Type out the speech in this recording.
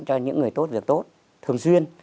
cho những người tốt việc tốt thường xuyên